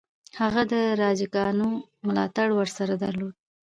هغه د راجاګانو ملاتړ ورسره درلود.